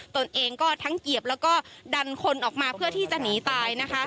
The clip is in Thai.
ตนเองก็ทั้งเหยียบแล้วก็ดันคนออกมาเพื่อที่จะหนีตายนะคะ